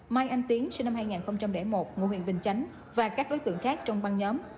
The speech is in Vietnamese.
mai anh tiến sinh năm hai nghìn một ngụ huyện bình chánh và các đối tượng khác trong băng nhóm